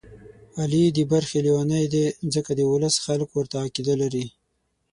علي د برخې لېونی دی، ځکه د ولس خلک ورته عقیده لري.